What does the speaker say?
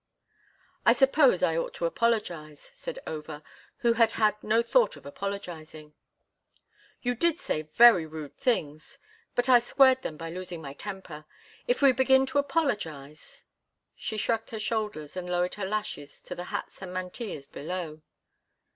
"I suppose I ought to apologize," said Over, who had had no thought of apologizing. "You did say very rude things, but I squared them by losing my temper. If we begin to apologize—" She shrugged her shoulders and lowered her lashes to the hats and mantillas below.